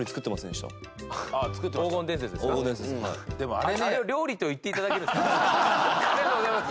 ありがとうございます。